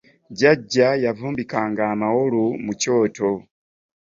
Jjajja yavumbikanga amawoolu mu kyoto.